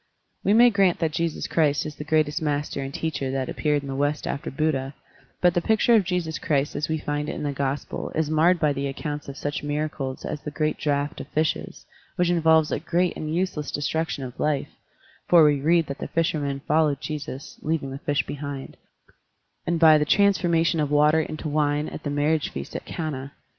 We may grant that Jesus Christ is the greatest master and teacher that appeared in the West after Buddha, but the picture of Jesus Christ as we find it in the Gospel is marred by the accounts of such miracles as the great draft of fishes, which involves a great and useless destruction of life (for we read that the fishermen followed Jesus, leaving the fish behind), and by the transformation of water into wine at the marriage feast at Cana.